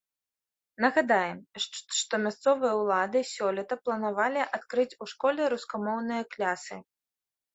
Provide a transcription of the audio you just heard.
Нагадаем, што мясцовыя ўлады сёлета планавалі адкрыць у школе рускамоўныя класы.